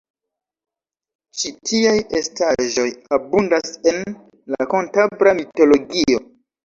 Ĉi tiaj estaĵoj abundas en la kantabra mitologio.